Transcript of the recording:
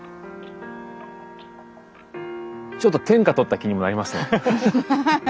ちょっと天下とった気にもなりますね。